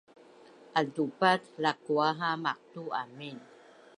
altupat lakua ha maqtu amin